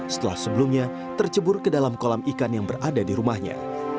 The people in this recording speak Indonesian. setelah sebelumnya tercebur ke dalam kolam ikan yang berada di rumahnya